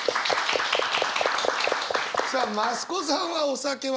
さあ増子さんはお酒は？